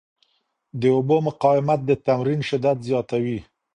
د اوبو مقاومت د تمرین شدت زیاتوي.